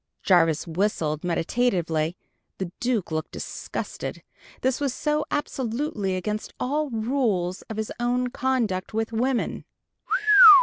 Jarvis whistled meditatively. The Duke looked disgusted; this was so absolutely against all rules of his own conduct with women.